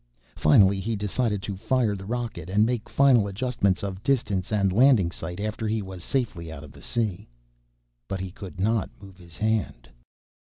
Finally he decided to fire the rocket and make final adjustments of distance and landing site after he was safely out of the sea. But he could not move his hand.